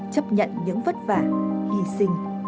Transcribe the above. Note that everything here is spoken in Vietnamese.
chấp nhận những vất vả hy sinh